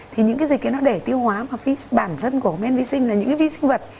thì những cái gì kia nó để tiêu hóa mà bản dân của men vi sinh là những cái vi sinh vật